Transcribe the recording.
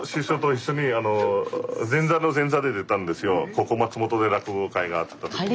ここ松本で落語会があった時に。